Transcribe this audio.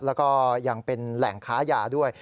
แล้วก็ยังเป็นแหล่งค้ายาด้วย